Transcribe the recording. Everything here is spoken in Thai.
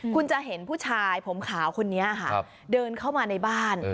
คุณจะเห็นผู้ชายผมขาวคนนี้ค่ะเดินเข้ามาในบ้าน